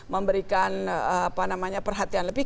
memberikan perhatian lebih